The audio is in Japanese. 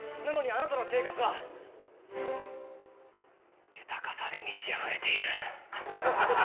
なのにあなたの生活は豊かさで満ちあふれている。